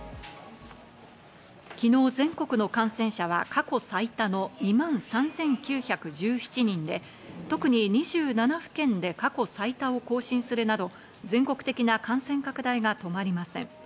昨日、全国の感染者は過去最多の２万３９１７人で、特に２７府県で過去最多を更新するなど、全国的な感染拡大が止まりません。